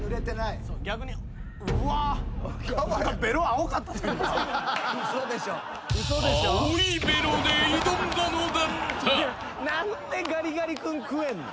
［青いべろで挑んだのだった］